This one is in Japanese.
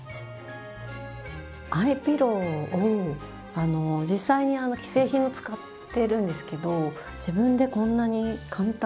アイピローを実際に既製品を使ってるんですけど自分でこんなに簡単に。